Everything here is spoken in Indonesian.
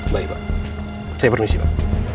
baik pak saya permisi pak